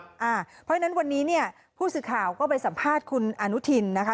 เพราะฉะนั้นวันนี้เนี่ยผู้สื่อข่าวก็ไปสัมภาษณ์คุณอนุทินนะคะ